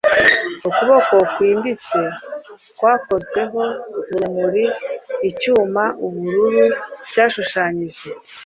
Ukuboko kwimbitse kwakozweho urumuri icyumaubururu cyashushanyije